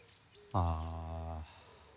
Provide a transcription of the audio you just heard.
ああ。